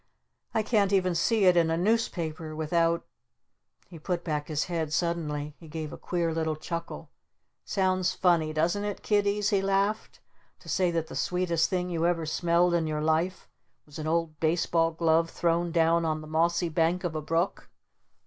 I can't even see it in a Newspaper without " He put back his head suddenly. He gave a queer little chuckle. "Sounds funny, doesn't it, Kiddies," he laughed, "to say that the sweetest thing you ever smelled in your life was an old baseball glove thrown down on the mossy bank of a brook?"